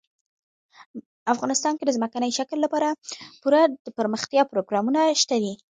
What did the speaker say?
افغانستان کې د ځمکني شکل لپاره پوره دپرمختیا پروګرامونه شته دي.